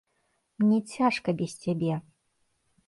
Мне цяжка без цябе.